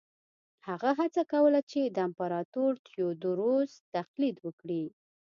هغه هڅه کوله چې د امپراتور تیوودروس تقلید وکړي.